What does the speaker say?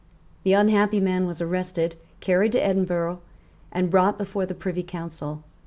The unhappy man was arrested, carried to Edinburgh, and brought before the Privy Council.